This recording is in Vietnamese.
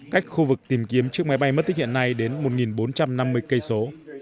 cách khu vực tìm kiếm chiếc máy bay mất tích hiện nay đến một bốn trăm năm mươi km